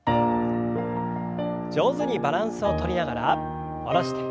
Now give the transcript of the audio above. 上手にバランスをとりながら下ろして。